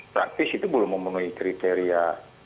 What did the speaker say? praktis itu belum memenuhi kriteria